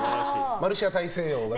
マルシア大西洋。